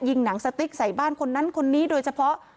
หนังสติ๊กใส่บ้านคนนั้นคนนี้โดยเฉพาะ